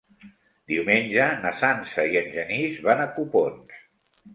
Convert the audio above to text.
Diumenge na Sança i en Genís van a Copons.